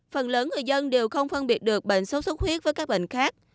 phần lớn người dân đều không phân biệt được bệnh sốt xuất huyết với các bệnh khác